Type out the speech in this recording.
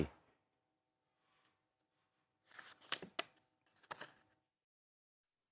ของพรรคก้าวกล่าย